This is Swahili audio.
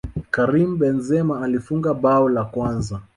karim benzema alifunga bao la kwanza